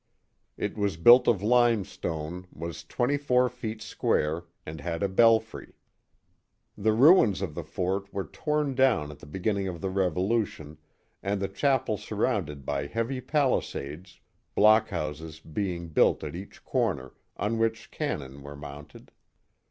It was built of limestone, was twenty four feet square, and had a belfry. 84 Queen Anne's Chapel 85 The ruins of the fort were torn down at the beginning of the Revolution, and the chapel surrounded by heavy pali sades, block houses being built at each corner, on which can non were mounted.